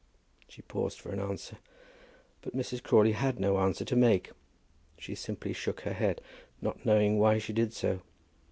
She paused for an answer; but Mrs. Crawley had no answer to make. She simply shook her head, not knowing why she did so.